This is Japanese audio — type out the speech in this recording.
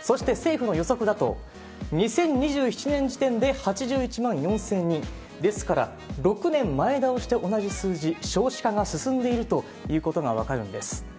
そして政府の予測だと、２０２７年時点で８１万４０００人、ですから、６年前倒しで同じ数字、少子化が進んでいるということが分かるんです。